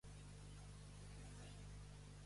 Què reprotxa el protagonista?